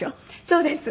そうです。